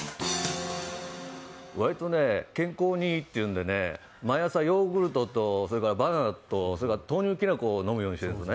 割とね健康にいいっていうんでね、毎朝ヨーグルトとそれからバナナとそれから豆乳きな粉を飲むようにしてるんですね。